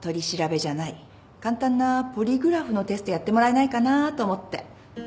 簡単なポリグラフのテストやってもらえないかなぁと思って。